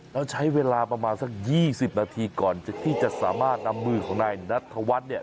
แล้วใช้เวลาประมาณสัก๒๐นาทีก่อนที่จะสามารถนำมือของนายนัทธวัฒน์เนี่ย